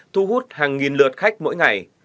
thu hút hàng nghìn lượt khách mỗi ngày